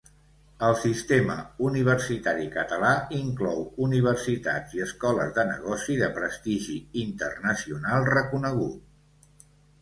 El sistema universitari català inclou universitats i escoles de negoci de prestigi internacional reconegut.